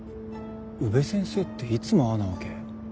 宇部先生っていつもああなわけ？